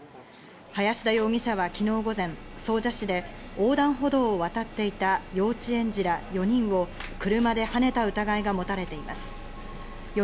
林田容疑者は昨日午前、総社市で横断歩道を渡っていた親子４人を乗用車ではねた疑いがもたれています。